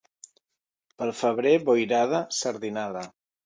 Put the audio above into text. Pel febrer boirada, sardinada.